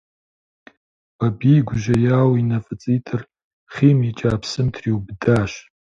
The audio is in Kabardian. Бабий гужьеяуэ и нэ фӀыцӀитӀыр хъийм икӀа псым триубыдащ.